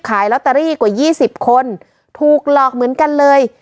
ขายลอตเตอรี่กว่า๒๐คนถูกหลอกเหมือนกันเลย